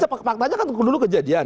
tapi pertanyaan kan dulu kejadian